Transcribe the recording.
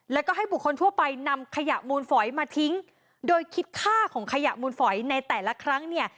แล้วก็ให้บุคคลทั่วไปนำขยะมูลฝอยมาทิ้งโดยคิดค่าของขยะมูลฝอยในแต่ละครั้งเนี่ย